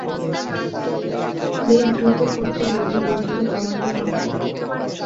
বেগ দ্রুত করতে গেলে বস্তু কমাতে হবে।